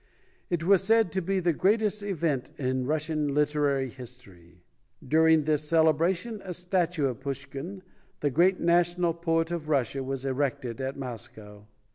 It was said to be the greatest event in Russian literary history. Dur ing this celebration, a statue of Pushkin, the great national poet of Russia, was erected at Moscow.